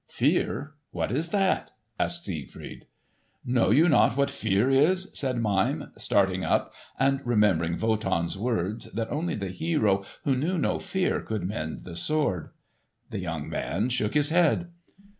"Fear? What is that?" asked Siegfried. "Know you not what fear is?" said Mime, starting up and remembering Wotan's words that only the hero who knew no fear could mend the sword. The young man shook his head.